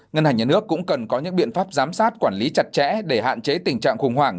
ngân hàng nhà nước cũng cần có những biện pháp giám sát quản lý chặt chẽ để hạn chế tình trạng khủng hoảng